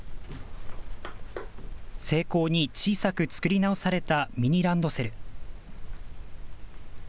精巧に小さく作り直されたミニランドセル。